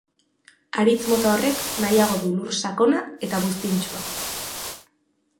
Haritz mota horrek nahiago du lur sakona eta buztintsua.